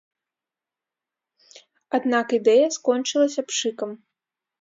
Аднак ідэя скончылася пшыкам.